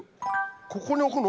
ここに置くの？